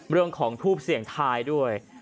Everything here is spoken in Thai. เรื่องของทูปเสี่ยงทายด้วย